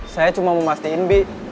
saya cuma memastikan bi